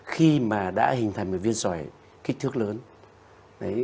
khi mà đã hình thành một viên xoài kích thước lớn